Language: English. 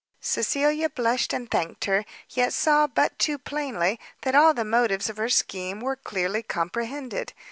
Cecilia blushed and thanked her, yet saw but too plainly that all the motives of her scheme were clearly comprehended.